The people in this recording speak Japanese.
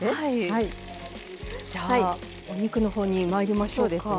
じゃあお肉のほうにまいりましょうか。